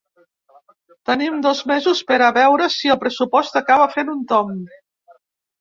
Tenim dos mesos per a veure si el pressupost acaba fent un tomb.